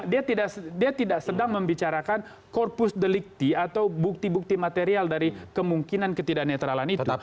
dia tidak sedang membicarakan korpus delikti atau bukti bukti material dari kemungkinan ketidak netralan itu